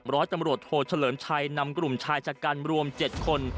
ร้อยตำรวจโทเฉลิมชัยนำกลุ่มชายชะกันรวม๗คน